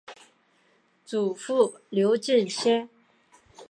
祖父刘敬先。